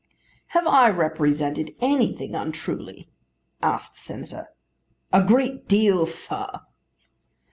"Have I represented anything untruly?" asked the Senator. "A great deal, sir."